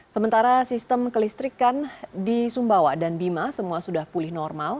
sementara sistem kelistrikan di sumbawa dan bima semua sudah pulih normal